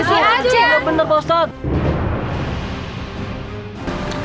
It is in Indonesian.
kenapa ngelapor polisi aja